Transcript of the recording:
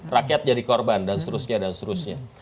rakyat jadi korban dan seterusnya